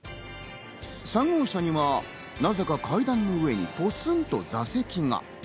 ３号車にはなぜか階段の上にポツンと座席が。